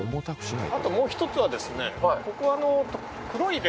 あともう１つはですね。